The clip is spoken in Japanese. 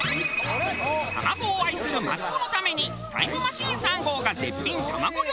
卵を愛するマツコのためにタイムマシーン３号が絶品卵料理を大調査！